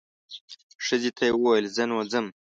ښځې ته یې وویل زه نو ځم.